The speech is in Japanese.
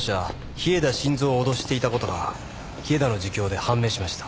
飛江田信三を脅していた事が飛江田の自供で判明しました。